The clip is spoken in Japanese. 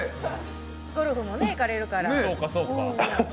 ゴルフも行かれるから。